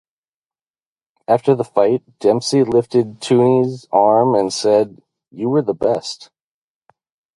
After the fight, Dempsey lifted Tunney's arm and said, You were best.